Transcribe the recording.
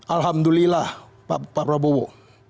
alhamdulillah pak prabowo